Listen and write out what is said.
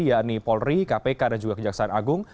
yakni polri kpk dan juga kejaksaan agung